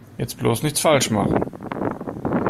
Jetzt bloß nichts falsch machen!